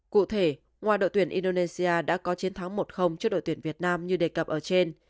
cụ thể ngoài đội tuyển indonesia đã có chiến thắng một trước đội tuyển việt nam như đề cập ở trên